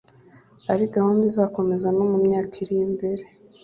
ari gahunda izakomeza no mu myaka iri imbere